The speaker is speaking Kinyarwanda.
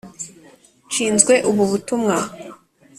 nshinzwe ubu butumwa.